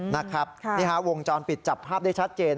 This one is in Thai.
นี่ฮะวงจรปิดจับภาพได้ชัดเจน